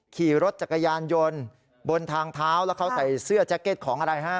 ขี่รถจักรยานยนต์บนทางเท้าแล้วเขาใส่เสื้อแจ็คเก็ตของอะไรฮะ